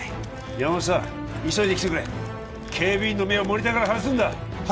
山本さん急いで来てくれ警備員の目をモニターから外すんだは